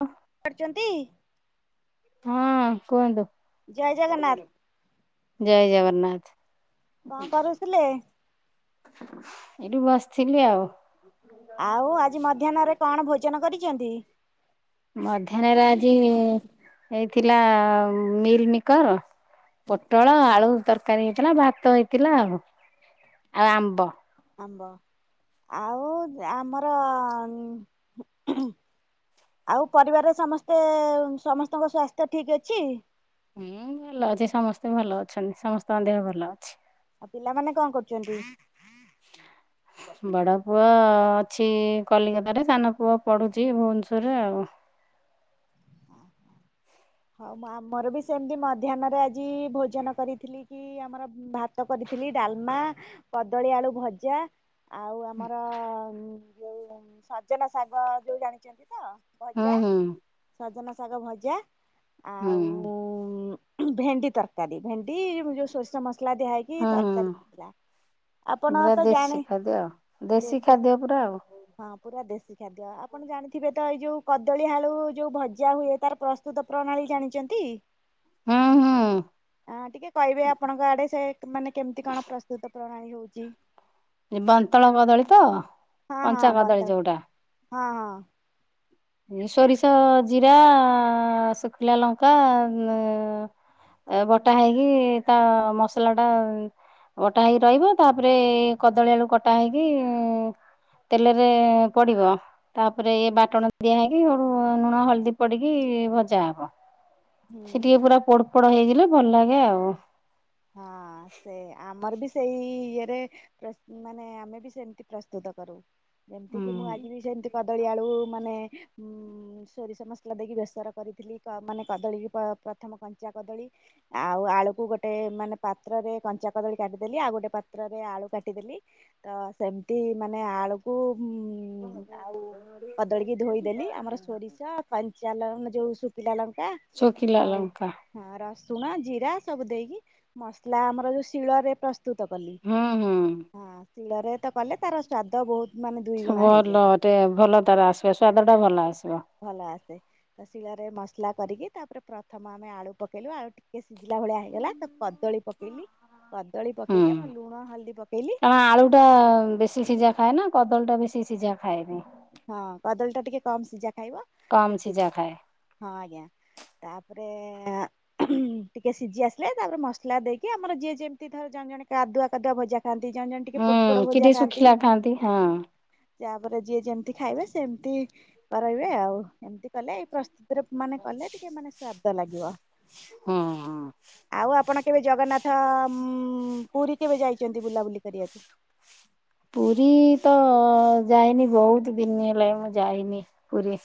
ହ। କରିଛନ୍ତି? ହଁ କୁହନ୍ତୁ। ଜୟ ଜଗନ୍ନାଥ ଜୟ ଜଗନ୍ନାଥ। କଣ କରୁଥିଲେ? ଏଠି ବସିଥିଲି ଆଉ। [inaudible] ଆଉ ଆଜି ମଧ୍ୟାହ୍ନରେ କଣ ଭୋଜନ କରିଚନ୍ତି? ମଧ୍ୟାହ୍ନରେ ଆଜି ଏଇଥିଲା ମିଲ୍ ମିକର୍ ପୋଟଳ ଆଳୁ ତରକାରୀ ହେଇଥିଲା, ଭାତ ହେଇଥିଲା ଆଉ, ଆଉ ଆମ୍ବ। ଆମ୍ବ ଆଉ ଆମର ଆଉ ପରିବାରରେ ସମସ୍ତେ ସମସ୍ତଙ୍କ ସ୍ବାସ୍ଥ୍ୟ ଠିକ୍ ଅଛି? ହୁଁ ଭଲ ଅଛି, ସମସ୍ତେ ଭଲ ଅଛନ୍ତି, ସମସ୍ତଙ୍କ ଦେହ ଭଲ ଅଛି। ପିଲାମାନେ କଣ କରୁଚନ୍ତି? ବଡ଼ ପୁଅ ଅଛି କଲିକତାରେ, ସାନ ପୁଅ ପଢୁଚି ଭୁବନେଶ୍ୱରରେ ଆଉ। ହଉ ଆମର ବି ସେମିତି ମଧ୍ୟାହ୍ନରେ ଆଜି ଭୋଜନ କରିଥିଲି କି କି ଆମର ଭାତ କରିଥିଲି, ଡାଲମା, କଦଳୀ ଆଳୁ ଭଜା ଆଉ ଆମର ଯୋଉ ସଜନା ଶାଗ ଯୋଉ ଜାଣିଚନ୍ତି ତ? ହୁଁ ଭଜା ହୁଁ ସଜନା ଶାଗ ଭଜା। ହୁଁ ଆଉ ଭେଣ୍ଡି ତରକାରୀ, ଭେଣ୍ଡି ଯୋଉ ସୋରିଷ ମସଲା ଦିଆ ହେଇ କି ହୁଁ ହୁଁ ତରକାରି ହେଇଥିଲା। ଆପଣ ପୁରା ତ ଦେଶୀ ଜାଣେ ଖାଦ୍ୟ ଆଉ ଦେଶୀ ଖାଦ୍ୟ ପୁରା ଆଉ ହଁ। ପୁରା ଦେଶୀ ଖାଦ୍ୟ, ଆପଣ ଜାଣିଥିବେ ତ ଏଇ ଯୋଉ କଦଳୀ ଆଳୁ ଯୋଉ ଭଜା ହୁଏ, ତାର ପ୍ରସ୍ତୁତ ପ୍ରଣାଳୀ ଜାଣିଚନ୍ତି? ହୁଁ ହୁଁ ହଁ ଟିକେ କହିବେ ଆପଣଙ୍କ ଆଡେ ସେ ମାନେ କେମିତି କଣ ପ୍ରସ୍ତୁତ ପ୍ରଣାଳୀ ହଉଚି। ଏ ବନ୍ତଳ କଦଳୀ ତ ହଁ ହଁ କଞ୍ଚା କଦଳୀ ବନ୍ତ ଯୋଉଟା। ହଁ ହଁ। ସୋରିଷ, ଜିରା, ଶୁଖିଲା ଲଙ୍କା ଏ ବଟା ହେଇକି ତା ମସଲା ଟା ବଟା ହେଇ ରହିବ, ତାପରେ କଦଳୀ ଆଳୁ କଟା ହେଇକି ତେଲରେ ପଡ଼ିବ। ତାପରେ ଏ ବା ଟଣ ଦିଆ ହେଇକି ଲୁଣ ହଳଦୀ ପଡିକି ଭଜା ହବ, ସେ ହୁଁ। ଟିକେ ପୁରା ପୋଡ ପୋଡ଼ ହେଇଗଲେ ଭଲ ଲାଗେ ଆଉ। ହଁ ସେ ଆମର ବି ସେଇ ଇଏରେ ପ୍ରସ୍ତୁତ, ମାନେ ଆମେ ବି ସେମିତି ପ୍ରସ୍ତୁତ କରୁ। ଏତିକି ହୁଁ ମୁଁ ଆଜି ବି ଯେମିତି କଦଳୀ ଆଳୁ ମାନେ ସୋରିଷ ମସଲା ଦେଇକି ବେସର କରିଥିଲି, ମାନେ କଦଳୀକୁ ପ୍ରଥମ କଞ୍ଚା କଦଳୀ ଆଉ ଆଳୁକୁ ଗୋ ଗୋଟେ ମାନେ ପାତ୍ରରେ କଞ୍ଚା କଦଳୀ କାଟିଦେଲି, ଆଉ ଗୋଟେ ପାତ୍ରରେ ଆଳୁ କାଟିଦେଲି। ତ ସେମିତି ମାନେ ଆଳୁକୁ ଆଉ କଦଳୀ କି ଧୋଇଦେଲି, ଆମର ସୋରିଷ କଞ୍ଚା ଲ ଯୋଉ ଶୁଖିଲା ଲଙ୍କା। ଚୋକିଲା ଆଉ ଲଙ୍କା। ହଁ ରସୁଣ, ଜିରା ସବୁ ଦେଇକି ମସଲା ଆମର ଯୋଉ ଶିଳରେ ପ୍ରସୁ ତୁତ କଲି ହୁଁ ହୁଁ ହଁ ଶିଳରେ ତ କଲେ ତାର ସ୍ଵାଦ ବହୁତ୍ ଭଲ ଟେ ଭଲ ତାର ଆସିବ ସ୍ଵାଦ ଟା ଭଲ ଆସିବ। ଭଲ ଆସେ। ତ ଶିଳରେ ମସଲା କରିକି ତାପରେ ପ୍ରଥମ ଆମେ ଆଳୁ ପକେଇଲୁ ଆଳୁ ଟିକେ ସିଝିଲା ଭଳିଆ ହେଇଗଲା ତାକୁ କଦଳୀ ପକେଇଲି। କଦଳୀ ହୁଁ ପକେଇକି ଆମ ଲୁଣ, ହଳଦୀ ପକେଇଲି। କାରଣ ଆଳୁ ଟା ବେଶୀ ସିଝା ଖାଏନା କଦଳୀ ଟା ବେଶୀ ସିଝା ଖାଏନି। ହଁ କଦଳୀ ଟା ଟିକେ କମ୍ ସିଝା ଖାଇବ। କମ୍ ସେଥି ସିଜା ଖାଏ। ହଁ ଆଜ୍ଞା ତାପରେ ଟିକେ ସିଝି ଆସିଲେ ତାପରେ ମସଲା ଦେଇକି ଆମର ଯିଏ ଯେମିତି ଧର ଜଣେ ଜଣେ କାଦୁଆ କାଦୁଆ ଭଜା ଖାଆନ୍ତି ଜଣେ ଜଣେ ଟିକେ ପୋଡପୋଡ୍ ହୁଁ କି ଭଜା ଟିକେ ଖାଆନ୍ତି। ଶୁଖିଲା ହଁ ତାପରେ ଯିଏ ଯେମ୍ ଖାଇବେ ସେମିତି କରଇବେ ଆଉ। ଏମିତି କଲେ ଏଇ ପ୍ରସ୍ତୁତିରେ ମାନେ କଲେ ଟିକେ ମାନେ ସ୍ଵାଦି ତ ଲାଗିବ। ହଁ ହଁ। ଆଉ ଆପଣ କେବେ ଜଗନ୍ନାଥ ଉଁ ପୁରୀ କେବେ ଯାଇଛନ୍ତି ବୁଲାବୁଲି କରିବାକୁ? ପୁରୀ ତ ଯାଇନି ବହୁତ ଦିନି ହେଲା ମୁଁ ଯାଇନି ପୁରୀ।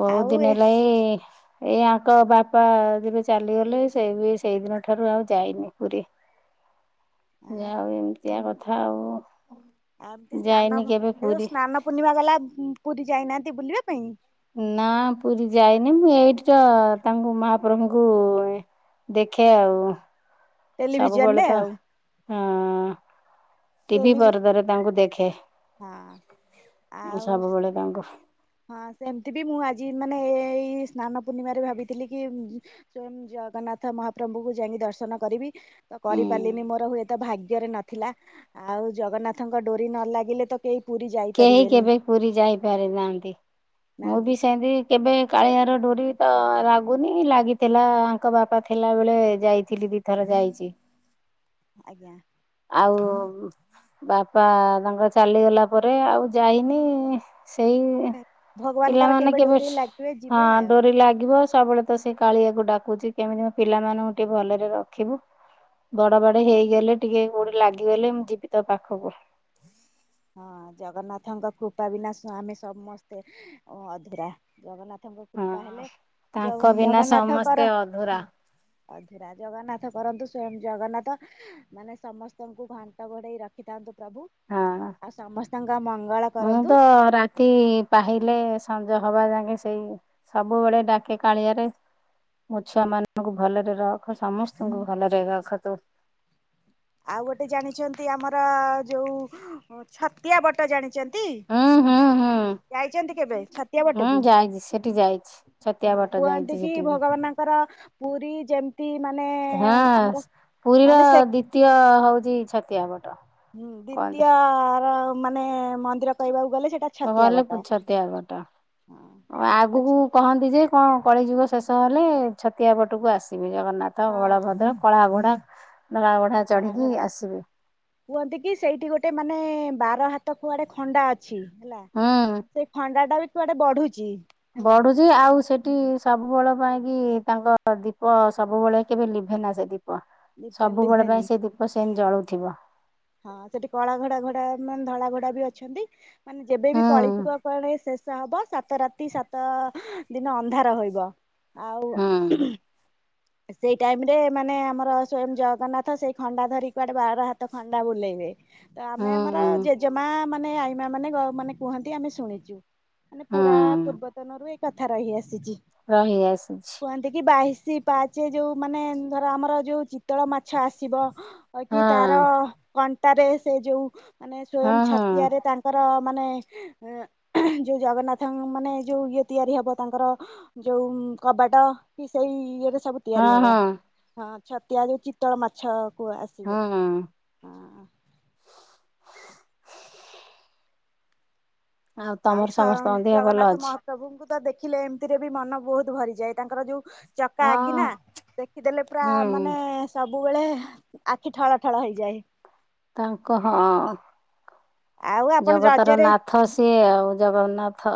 ବହୁତ ଦିନ ହେଲା ଏ ଏଇ ଆଙ୍କ ବାପା ଯେବେ ଚାଲିଗଲେ ସେ ବି ସେଇଦିନ ଠାରୁ ଆଉ ଯାଇନି ପୁରୀ। ଯାଆ ହୋଉ ଏମିତିଆ କଥା ଆଉ। ଆଦି ସ୍ନାନ ଯାଇନି ମ କେବେ ଏ ଯୋଉ ପୁରୀ। ସ୍ନାନ ପୂର୍ଣ୍ଣିମା ଗଲା ପୁରୀ ଯାଇନାହାନ୍ତି ବୁଲିବା ପାଇଁ? ନା ପୁରୀ ଯାଇନି ମୁଁ ଏଇଠି ତ ତାଙ୍କୁ ମହାପ୍ରଭୁଙ୍କୁ ଦେଖେ ଆଉ। ସବୁବେଳେ ଟେଲିଭିଜନରେ ତ ଆଉ ଆଁ ଟିଭି ଟେଲି ପରଦାରେ ତାଙ୍କୁ ଦେଖେ। ହଁ ମୁଁ ଆଉ ସବୁବେଳେ ତାଙ୍କୁ ହଁ ସେମିତି ବି ମୁଁ ଆଜି ମାନେ ଏ ଏଇ ସ୍ନାନ ପୂର୍ଣ୍ଣିମାରେ ଭାବିଥିଲି କି ସ୍ଵୟଂ ଜଗନ୍ନାଥ ମହାପ୍ରଭୁଙ୍କୁ ଯାଇକି ଦର୍ଶନ କରିବି। ତ ଉଁ କରିପାରିଲିନି ମୋର ହୁଏ ତ ଭାଗ୍ୟରେ ନଥିଲା ଆଉ ଜଗନ୍ନାଥଙ୍କ ଡୋରି ନ ଲାଗିଲେ ତ କେହି ପୁରୀ ଯାଇ କେହି କେବେ ପୁରୀ ଯାଇପାରି ନାହାନ୍ତି। ମୁଁ ନାହାନ୍ତି ବି ସେମତି କେବେ କାଳିଆର ଡୋରି ତ ଲାଗୁନି ଲାଗିଥିଲା ଆଙ୍କ ବାପା ଥିଲାବେଳେ ଯାଇଥିଲି ଦି ଥର ଯାଇଚି। ଆଜ୍ଞା। ଆଉ ବାପା ତାଙ୍କର ଚାଲିଗଲା ପରେ ଆଉ ଯାଇନି। ସେଇ ଭଗବାନଙ୍କର ପିଲାମାନେ କେବେ ଡୋରି ଲାଗିବେ ହଁ ଯିବେ ଆଉ। ଡୋରି ଲାଗିବ ସବୁବେଳେ ତ ସେ କାଳିଆକୁ ଡାକୁଚି କେମିତି ମୋ ପିଲାମାନଙ୍କୁ ଟିକେ ଭଲରେ ରଖିବୁ। ବଡ ବାଡେ ହେଇଗଲେ ଟିକେ କୋଉଠି ଲାଗିଗଲେ ମୁଁ ଯିବି ତୋ ପାଖକୁ। ହଁ ଜଗନ୍ନାଥଙ୍କ କୃପା ବିନା ସ ଆମେ ସମସ୍ତେ ଅଧୁରା। ଜଗନ୍ନାଥ ତମ ହଁ। କୃପା ହେଲେ ଯୋଉ ତାଙ୍କ ବିନା ସମସ୍ତେ ଜଗନ୍ନାଥଙ୍କର ଅଧୁରା। ହଁ ଅଧିରା ଜଗନ୍ନାଥ କରନ୍ତୁ ସ୍ଵୟଂ ଜଗନ୍ନାଥ ମାନେ ସମସ୍ତଙ୍କୁ ଘଣ୍ଟ ଘୋଡେଇ ରଖିଥାନ୍ତୁ ପ୍ରଭୁ। ହଁ ଆଉ ସମସ୍ତଙ୍କ ମଙ୍ଗଳ ମୁଁ କରନ୍ତୁ। ତ ରା ତି ପାହିଲେ ସଞ୍ଜ ହବା ଯାକେ ସେଇ ସବୁବେଳେ ଡାକେ କାଳିଆରେ ମୋ ଛୁଆ ମାନଙ୍କୁ ଭଲରେ ରଖ ସମସ୍ତଙ୍କୁ ଭଲରେ ରଖ ତୁ। ଆଉ ଗୋଟେ ଜାଣିଛନ୍ତି ଆମର ଯୋଉ ଛତିଆ ବଟ ଜାଣିଚ ହୁଁ ହୁଁ ହୁଁ। କେବେ ଛତିଆ ହୁଁ ବଟକୁ ଯାଇଛି ସେଠି ଯାଇଛି ଛତିଆ ବଟ ଯାଇଛି ସେଠିକି। କର ପୁରୀ ଯେମିତି ମାନେ ଆମର ମାନେ ସେ ତୀୟ ହଉଛି ଛତିଆବଟ। ହୁଁ ଦ୍ଵିତୀୟ ର ମାନେ ମନ୍ଦିର କହିବାକୁ ଗଲେ ସେଟା। ଛତିଆ ଗଲେ ବଟ। ଛତିଆବଟ ହଁ ଆଗକୁ ଆଛା କହନ୍ତି ଯେ କଣ କଳିଯୁଗ ଶେଷ ହେଲେ ଛତିଆବଟକୁ ଆସିବେ ଜଗନ୍ନାଥ ହଁ ବଳଭଦ୍ର। କଳା ଘୋଡ଼ା [unintelligible] କଳା ଘୋଡ଼ା। କୁହନ୍ତି କି ସେଇଠି ଗୋଟେ ମାନେ ବାର ହାତ କୁଆଡେ ଖଣ୍ଡା ଅଛି ହେଲା। ହୁଁ। ସେଇ ଖଣ୍ଡା ଟା ବି କୁଆଡେ ବଢୁଛି। ହେଲା। ବଢୁଛି ଆଉ ସେଠି ସବୁବେଳ ପାଇଁକି ତାଙ୍କ ଦୀପ ସବୁବେଳେ କେବେ ଲିଭେନା ସେ ଦୀ ପ ସବୁବେଳେ ଲିଭେନି ପାଇଁ ସେ ଦୀପ ସେମିତି ଜଳୁଥିବ। ହଁ ସେଠି କଳା ଘୋଡା ଘୋଡା ମାନେ ଧଳା ଘୋଡା ବି ଅଛନ୍ତି ମାନେ ହୁଁ ଯେବେବି କଳିଯୁଗ କୁଆଡେ ସେ ଶେଷ ହବ, ସାତ ରାତି ସାତ ଦିନ ଅନ୍ଧାର ହୋଇବ। ଆଉ ହୁଁ। ସେଇ ଟାଇମ ରେ ମାନେ ଆମର ସ୍ଵୟଂ ଜଗନ୍ନାଥ ସେଇ ଖଣ୍ଡା ଧରି କୁଆଡେ ବାର ହାତ ଖଣ୍ଡା ବୁଲେଇବେ ତ ଆମେ ଆମର ହୁଁ ଜେଜେମା ମାନେ ଆ ଈମା ମାନେ ମାନେ କୁହନ୍ତି ଆମେ ଶୁଣିଛୁ ମାନେ ପୁରା ହୁଁ ପୂର୍ବତନରୁ ଏ କଥା ରହି ଆସିଛି। ରହି ଆସିଛି। କୁହନ୍ତି କି ବାଇଶି ପାହାଚେ ଯୋଉ ମାନେ ଧର ଆମର ଯୋଉ ଚିତଳ ମାଛ ଆସିବ। କି ହଁ ତାର କଣ୍ଟାରେ ସେ ଯୋଉ ମାନେ ହଁ ସ୍ଵୟଂ ହଁ ଛତିଆରେ ତା ଙ୍କର ମାନେ ଯୋଉ ଜଗନ୍ନାଥ ମାନେ ଯୋଉ ଇଏ ତିଆରି ହବ ତାଙ୍କର ଯୋଉ କବାଟ କି ସେଇ ଇଏରେ ସବୁ ତିଆରି ହଁ ହବ ହଁ ହଁ ଛତୀଆ ଯୋଉ ଚିତଳ ମାଛ କୁ ଆସିବେ। ହୁଁ ହଁ। ଆଉ ତମର ଆଉଛ ସମସ୍ତଙ୍କ ଦେହ ଭଲ ଜଗନ୍ନାଥ ଅଛି ମହାପ୍ରଭୁଙ୍କୁ ତ ଦେଖିଲେ ଏମିତିରେ ବି ମନ ବହୁତ ଭରିଯାଏ ତାଙ୍କର ଯୋଉ ଚକା ହଁ ଆଖି ନା ଦେଖିଦେଲେ ପୁରା ହୁଁ ମାନେ ସବୁବେଳେ ଆଖି ଠଳ ଠଳ ହେଇଯାଏ। ତାଙ୍କ ହଁ ଆଉ ଆପଣ ଜଗତର ରଜରେ ନା ଥ ସେ ଆଉ ଜଗନ୍ନାଥ।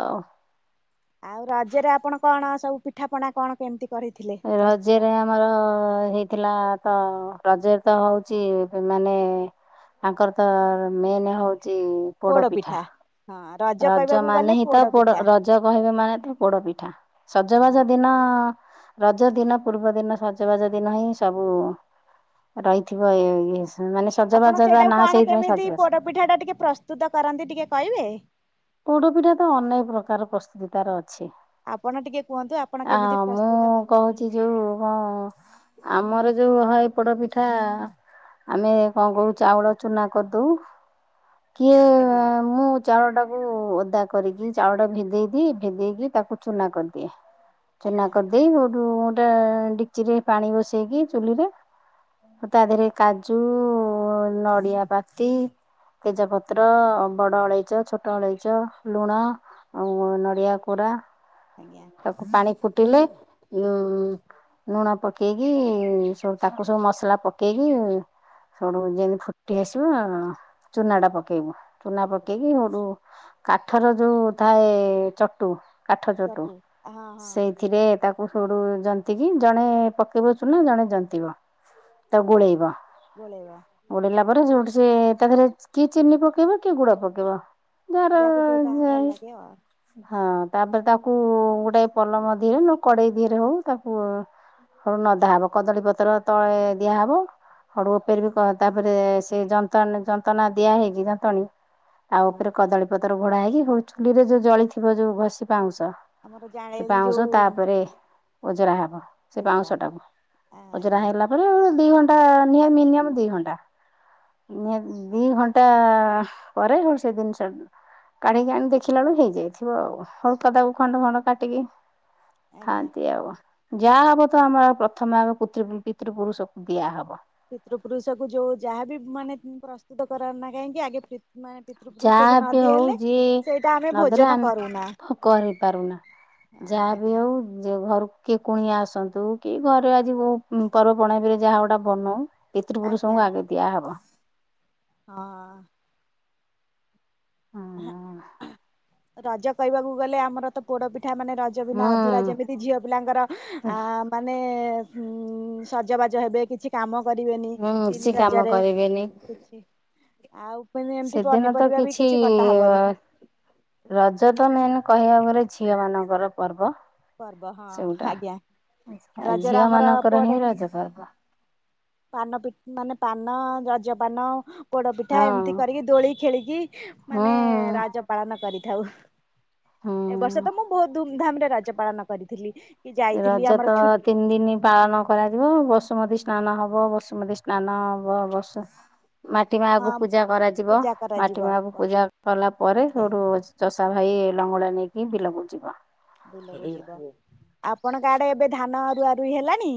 ଆଉ ରଜରେ ଆପଣ କଣ୍ ସବୁ ପିଠାପଣା କଣ୍ କେମିତି? କରିଥିଲେ ପ୍ରସ୍ତୁତ? ରଜରେ ଆ ଆମର ହେଇଥିଲା ତ ରଜ ରେ ତ ହଉଛି ମାନେ ତାଙ୍କର ତ ମେନ୍ ହଉଚି ପୋଡ ପିଠା। ରଜ ମାନେ ହିଁ ତ ପୋଡ ର ଜ କହିବେ ମାନେ ତ ପୋଡ ପିଠା ହଁ। ସଜବାଜ ଦିନ ରଜ ଦିନ ପୂର୍ବ ଦିନ ସଜବାଜ ଦିନ ହିଁ ସବୁ ରହିଥିବ ମାନେ ସଜବାଜ ତା ନା ସେଇଥିପାଇଁ ସଜବାଜ। ପିଠା ଟା ଟିକିଏ ପ୍ରସ୍ତୁତ କରନ୍ତି ଟିକିଏ କହିବେ? ପୋଡ ପିଠା ତ ଅନେକ ପ୍ରକାର ପ୍ରସ୍ତୁତି ତାର ଅଛି। ଆପଣ ଟିକେ କୁହନ୍ତୁ ଆପଣ ଆ କେମିତି ମୁଁ ପ୍ରସ୍ତୁତ କହୁଛି କରୁଛନ୍ତି ଯୋଉ କଣ ଆମର ଯୋଉ ହାଇ ପୋଡ ପିଠା ଆମେ କଣ କହୁ ଚାଉଳ ଚୁନା କରିଦଉ କିଏ ଆଜ୍ଞା। ମୁଁ ଚାଉଳଟା ଓଦା କରିକି ଚାଉଳଟାକୁ ଭେଜେଇଦିଏ, ଭେଜେଇକି ତାକୁ ଚୁନା କରିଦିଏ। ଚୁନା ଆଜ୍ଞା କରିଦେଇ, ହେଉଠୁ ଗୋଟିଏ ଡିକଚିରେ ପାଣି ବସେଇକି ଚୁଲିରେ ତା ଦେହରେ କାଜୁ, ନଡିଆ ପାତି ତେଜପତ୍ର ବଡ ଅଳେଇଚ ଛୋଟ ଅଳେଇଚ, ଲୁଣ ଆ ନଡ଼ିଆ କୋରା ତା ପାଣି ଫୁଟିଲେ ଉ ଲୁଣ ପକେଇକି ସବୁ ତାକୁ ସବୁ ମସଲା ପକେଇକି [unintelligible] ଯେମିତି ଫୁଟି ଆସିବ ଆ ଚୁନାଟା ପକେଇବୁ। ଚୁନା ଆଜ୍ଞା। ପକେଇକି [unintelligible] କାଠର ଯୋଉ ଥାଏ ଚଟୁ। କାଠ ଚଟୁ ହଁ ହଁ ସେଇ ଏଥିରେ ତାକୁ ସୋଡ଼ୁ ଜନ୍ତିକି ଜଣେ ପକେଇବ ଚୁନା ଜଣେ ଜନ୍ତିବ। ତ ଗୋଳେଇବ। ଗୋଳେଇବା। ଗୋଳେଇଲା ପରେ ଯୋଉଠି ସେ ତା ଦେରେ କିଏ ଚିନି ପକେଇବ କିଏ ଗୁଡ ପକେଇବ। ଧର ଯାହାକୁ ଯୋଉଟା ଭଲ ଯାଏ। ଲାଗେ ଆଉ ହଁ ତାପରେ ତାକୁ ଗୋଟିଏ ପଲମ ଧିରେ ନ କଡେଇ ଧିରେ ହଉ ତାକୁ ତାକୁ ନଦା ହେବ କଦଳୀ ପତ୍ର ତଳେ ଦିଆହବ। ହଡୁ ଉପେର ବି କ ତାପରେ ସେ ଯନ୍ତଣା ଯନ୍ତ୍ରଣା ଦିଆ ହେଇକି ଯନ୍ତଣୀ ତା ହଁ ଉପରେ କଦଳୀ ପତର ଘୋଡା ହେଇକି ଚୁଲିରେ ଯୋଉ ଜଳିଥିବ ଯୋଉ ଘଷି ପାଉଁଶ। ଆମର ସେ ଜାଳେଳି ପାଉଁଶ ଯୋଉ ତାପରେ ଓଜରା ହବ ସେ ଅଜରା ପାଉଁଶ ହବ ଟାକୁ ଅଜରା ଆଜ୍ଞା ହେଲା ପରେ ଦି ଘଣ୍ଟା ମିନିମମ୍ ଦି ଘଣ୍ଟା ନିହାତୀ ଦି ଘଣ୍ଟା ପରେ [unintelligible] କାଢିକି ଆଣି ଦେଖିଲା ବଳୁ ହେଇଯାଇଥିବ ଆଉ, ହଳକା ତାକୁ ଖଣ୍ଡ ଖଣ୍ଡ କାଟିକି ଆଜ୍ଞା ଖାଆନ୍ତି ଆଉ। ଯାହା ହବ ତ ଆମର ପ୍ରଥମେ ଆମେ ପୁତୃ ପିତୃ ପୁରୁଷକୁ ଦିଆହବ। ପିତୃ ପୁରୁଷକୁ ଯୋଉ ଯାହାବି ମାନେ ପ୍ରସ୍ତୁତ କର ହେଉନା କାହିଁକି ଆଗେ ମାନେ ପିତୃପୁରୁଷକୁ ଯାହା ନ ବି ହଉ ଦିଆହେଲେ ଯିଏ ସେଇଟା ଆମେ ନଦେଲେ ଭୋଜନ ଆମେ କରୁନା ଭୋକ ହେଇ ପାରୁନା। ଯାହା ବି ଆଜ୍ଞା ହେଉ ଯେ ଘର କିଏ କୁଣିଆ ଆସନ୍ତୁ କି ଘରେ ଆଜି ମୁଁ ପର୍ବପଣାବରେ ଯାହା ଗୋଟା ବନାଏ ଆଜ୍ଞା ପିତୃପୁରୁଷଙ୍କୁ ଆଗେ ଦିଆହବ। ହଁ। ହୁଁ [inaudible] ରଜ କହିବାକୁ ଗଲେ ଆମର ତ ପୋଡ ପିଠା ମାନେ ରଜ ବିନା ଅଧୁରା। ଯେମିତି ଝିଅ ପିଲାଙ୍କର ମାନେ ଉ ସଜବାଜ ହେବେ କିଛି କାମ କରିବେନି ମୁଁ କିଛି ତିନି କାମ ରଜରେ କରିବେନି। କିଛି। ଆଉ କହିଲେ ଏମତି ସେଦିନ ତ ପନିପରିବା ବି କିଛି କଟା ହବନି। ରଜ ତ ମେନ୍ କହିବାକୁ ଗଲେ ଝିଅ ମାନଙ୍କର ପର୍ବ। ପର୍ବ ହଁ ସେଗୁଟା ଆଜ୍ଞା। ଆଉ ରଜରେ ଝିଅ ଆମର ମାନଙ୍କର ପୋଡ ହିଁ ରଜ ପର୍ବ। ପାନ ପି ମାନେ, ପାନ ରଜ ପାନ। ପୋଡ ପିଠା ହଁ। ଏମିତି କରିକି ଦୋଳି ଖେଳିକି ମାନେ ହଁ ରଜ ପାଳନ କରିଥାଉ। ଏବ ବର୍ଷ ତ ହଁ ମୁଁ ବହୁତ ଧୁମ୍ ଧାମ୍ ରେ ରାଜ ପାଳନ କରିଥିଲି। କି ଯାଇଥିଲି ରାଜ ତ ଆମର ଛୁ ତିନି ଦିନି ପାଳନ କରାଯିବ ବସୁମତୀ ସ୍ନାନ ହବ, ବସୁମତୀ ସ୍ନାନ ହବ ବସ ମାଟି ମା ହଁ କୁ ପୂଜା କରାଯିବ, ପୂଜା ମାଟି କରାଯିବ ମା କୁ ପୂଜା କଲା ପରେ ଆଜ୍ଞା ସୋଉଠୁ ଚଷା ଭାଇ ଲଙ୍ଗଳା ନେଇକି ବିଲକୁ ଯିବ। ବିଲକୁ ଯିବ, ଆପଣଙ୍କ ଆଡେ ଏବେ ଧାନ ରୁଆ ରୁଇ ହେଲାଣି?